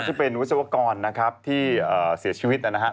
ก็จะเป็นวิศวกรที่เสียชีวิตนะครับ